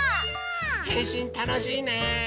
へんしんたのしいね！